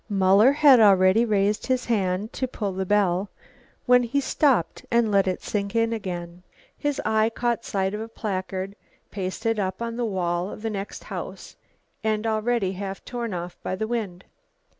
Muller had already raised his hand to pull the bell, when he stopped and let it sink again. His eye caught sight of a placard pasted up on the wall of the next house, and already half torn off by the wind.